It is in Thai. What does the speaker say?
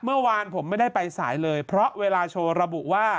เมื่อวานผมไม่ได้ไปสายเลยเพราะเวลาโชว์ระบุว่า